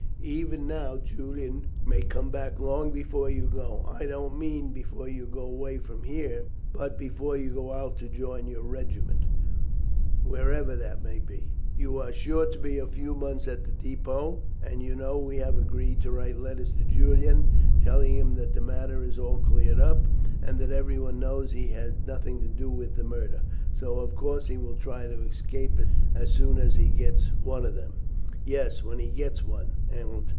Even now Julian may come back long before you go. I don't mean before you go away from here, but before you go out to join your regiment, wherever that may be. You are sure to be a few months at the depôt, and you know we have agreed to write letters to Julian, telling him that the matter is all cleared up, and that everyone knows he had nothing to do with the murder, so of course he will try to escape as soon as he gets one of them." "Yes, when he gets one, Aunt.